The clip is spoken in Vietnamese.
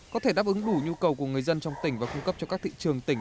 có thể đáp ứng đủ nhu cầu của người dân trong tỉnh và cung cấp cho các thị trường tỉnh